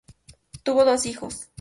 Tuvo dos hijos.